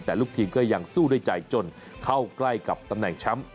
แต่ลูกทีมก็ยังสู้ด้วยใจจนเข้าใกล้กับตำแหน่งแชมป์